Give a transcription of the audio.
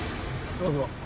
どうぞ。